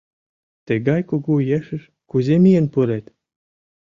Тыгай кугу ешыш кузе миен пурет?»